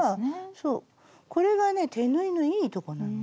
そうこれがね手縫いのいいとこなの。